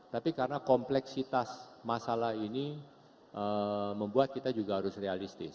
tapi karena kompleksitas masalah ini membuat kita juga harus realistis